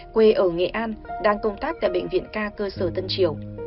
quê ở nghệ an đang công tác tại bệnh viện ca cơ sở tân triều